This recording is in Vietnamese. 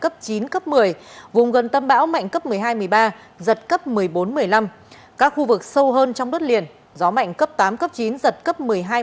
tâm bão gần tâm bão mạnh cấp một mươi hai một mươi ba giật cấp một mươi bốn một mươi năm các khu vực sâu hơn trong đất liền gió mạnh cấp tám chín giật cấp một mươi hai một mươi ba